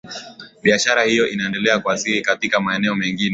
Biashara hiyo iliendelea kwa siri katika maeneo mengine